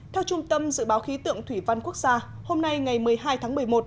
theo trung tâm dự báo khí tượng thủy văn quốc gia hôm nay ngày một mươi hai tháng một mươi một